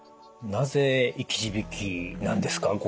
なぜ「生き字引」なんですか？